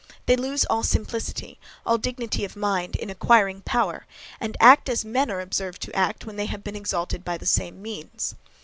They lose all simplicity, all dignity of mind, in acquiring power, and act as men are observed to act when they have been exalted by the same means.